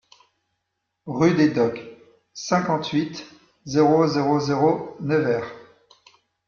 Rue Des Docks, cinquante-huit, zéro zéro zéro Nevers